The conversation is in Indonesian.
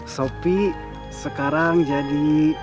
sopi sekarang jadi